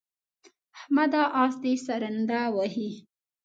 احمده! اس دې سرنده وهي.